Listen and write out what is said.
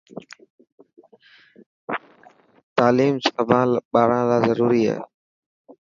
تاليم سڀان ٻاران لاءِ ضروري هي.